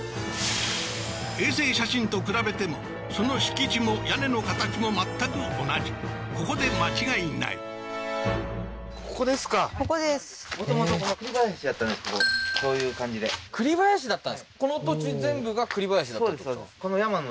衛星写真と比べてもその敷地も屋根の形も全く同じここで間違いない栗林だったんですか？